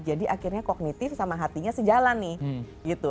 jadi akhirnya kognitif sama hatinya sejalan nih